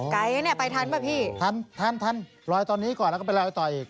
ไกลเนี่ยไปทันป่ะพี่ทันทันทันลอยตอนนี้ก่อนแล้วก็ไปลอยต่ออีก